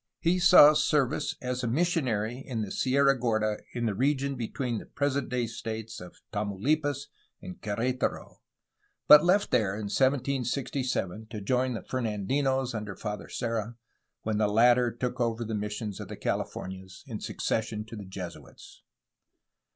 He saw service as a missionary in the Sierra Gorda, in the region between the present day states of Tamaulipas and Quer6taro, but left there in 1767 to join the Femandinos under Father Serra when the latter took over the missions of the CaUfomias in succession to the Jesuits.